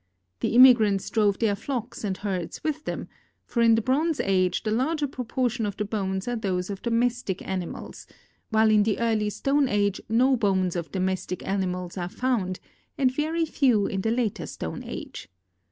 The im migrants drove their flocks and herds with them, for in the Bronze Age the larger proportion of the bones are those of domestic animals, while in the earl}'' Stone Age no bones of domestic animals are found, and very few in the later Stone Age.